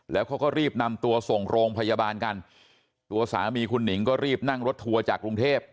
แล้วเขาก็รีบนำตัวส่งโรงพยาบาลกันตัวสามีคุณหนิงก็รีบนั่งรถทัวร์จากกรุงเทพ